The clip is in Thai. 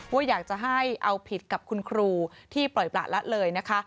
ว่าอยากจะให้เอาผิดกับคุณครูที่ปล่อยประละเลยนะคะ